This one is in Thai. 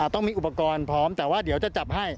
ต้องมีอุปกรณ์พร้อมแต่ว่าเดี๋ยวจะจับให้